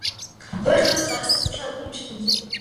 Хувиар тооцож гаргасан судалгаа үгүй юм шиг байна лээ.